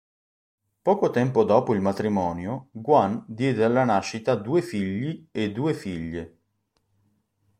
Poco tempo dopo il matrimonio Guan diede alla nascita due figli e due figlie.